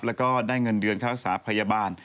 แล้วก็ได้เงินเดือนค่ารักษาพยาบาล